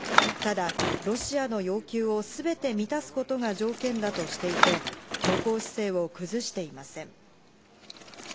ただ、ロシアの要求をすべて満たすことが条件だとしていて、強硬姿勢を崩していません。